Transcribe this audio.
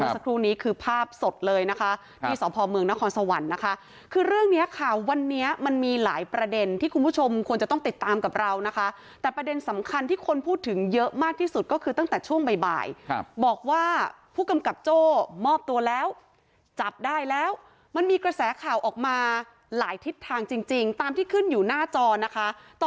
สักครู่นี้คือภาพสดเลยนะคะที่สพเมืองนครสวรรค์นะคะคือเรื่องเนี้ยค่ะวันนี้มันมีหลายประเด็นที่คุณผู้ชมควรจะต้องติดตามกับเรานะคะแต่ประเด็นสำคัญที่คนพูดถึงเยอะมากที่สุดก็คือตั้งแต่ช่วงบ่ายบอกว่าผู้กำกับโจ้มอบตัวแล้วจับได้แล้วมันมีกระแสข่าวออกมาหลายทิศทางจริงจริงตามที่ขึ้นอยู่หน้าจอนะคะต